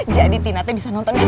jadi tinatnya bisa nonton dari kawal